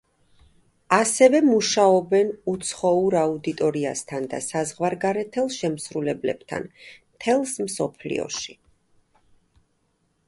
ასევე მუშაობენ უცხოურ აუდიტორიასთან და საზღვარგარეთელ შემსრულებლებთან მთელს მსოფლიოში.